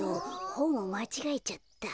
ほんをまちがえちゃった。